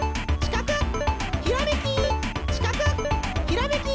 ひらめき！